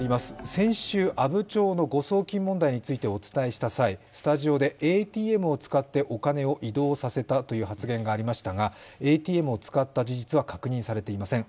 先週阿武町の誤送金問題についてお伝えした際、スタジオでＡＴＭを使ってお金を移動させたという発言がありましたがＡＴＭを使った事実は確認されていません。